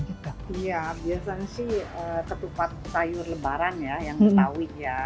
iya biasanya sih ketupat sayur lebaran ya yang betawi ya